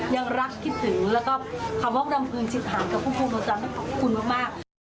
ยังรักคิดถึงแล้วก็คำว่าพรรมพลวงจิตหังกับพุ่งพลวงจันทร์ขอบคุณมาก